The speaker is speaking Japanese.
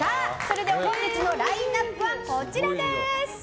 本日のラインアップはこちらです。